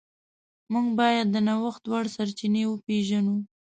موږ باید د نوښت وړ سرچینې وپیژنو.